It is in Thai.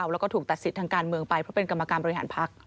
แล้วก็ถูกตัดสิทธิ์ทางการเมืองไปเพราะเป็นกรรมการบริหารพัก